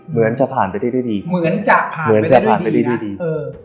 เหมือนจะผ่านไปได้ด้วยดีเหมือนจะผ่านไปได้ดีดีนะเออ